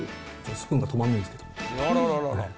スプーンが止まらないんですけど。